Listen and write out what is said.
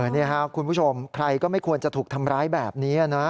นี่ครับคุณผู้ชมใครก็ไม่ควรจะถูกทำร้ายแบบนี้นะ